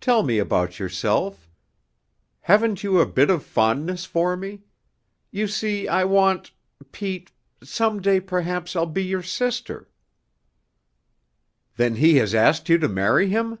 Tell me about yourself. Haven't you a bit of fondness for me? You see, I want Pete some day perhaps I'll be your sister " "Then he has asked you to marry him?"